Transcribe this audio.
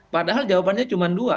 padahal jawabannya cuma dua